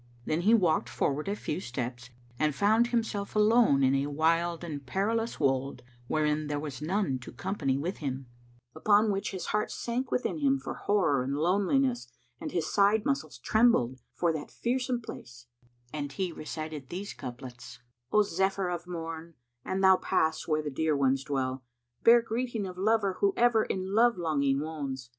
Then he walked forward a few steps and found himself alone in a wild and perilous wold wherein there was none to company with him; upon which his heart sank within him for horror and loneliness and his side muscles trembled, for that fearsome place, and he recited these couplets, "O Zephyr of Morn, an thou pass where the dear ones dwell, * Bear greeting of lover who ever in love longing wones!